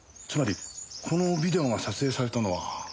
つまりこのビデオが撮影されたのは。